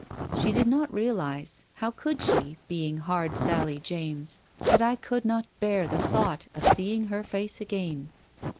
She did not realize — how could she, being hard Sally James ?— that I could not bear the thought of seeing her face again.